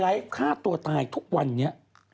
ว่าไอ้ไลฟ์ฆ่าตัวตายทุกวันนี้